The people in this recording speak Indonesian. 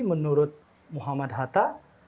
menurut muhammad hatta